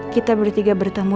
kita bertiga bertemu